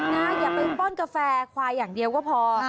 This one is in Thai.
อย่าไปป้อนกาแฟควายอย่างเดียวก็พอ